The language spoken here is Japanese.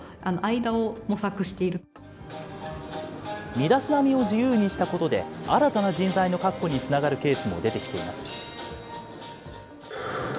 身だしなみを自由にしたことで、新たな人材の確保につながるケースも出てきています。